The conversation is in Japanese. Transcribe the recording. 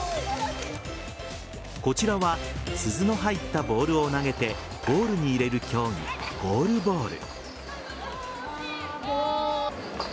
こちらは鈴の入ったボールを投げてゴールに入れる競技ゴールボール。